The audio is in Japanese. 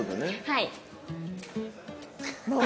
はい。